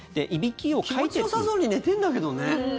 気持ちよさそうに寝てんだけどね。